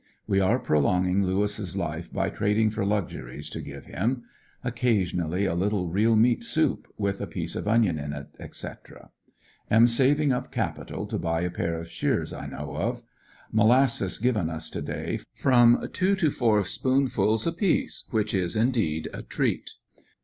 We are prolonging Lewis' life by trading for luxuries to give him. Occasionally a little real meat soup, with a piece of onion in it, etc. Am saving up capital to buy a pair of shears I know of. Molasses given us to day, from two to four spoonfuls apiece, which is indeed a treat.